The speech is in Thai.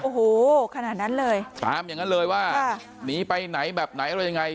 โอ้โหขนาดนั้นเลยตามอย่างนั้นเลยว่าหนีไปไหนแบบไหนอะไรยังไง